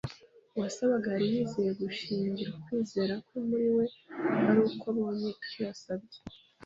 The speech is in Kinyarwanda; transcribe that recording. uwasabaga yari yiyemeje gushingira ukwizera kwe muri we ari uko abonye icyo yasabye.